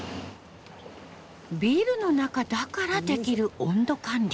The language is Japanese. ビルの中だからできる温度管理。